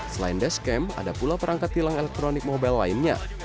selain dashcam ada pula perangkat tilang elektronik mobile lainnya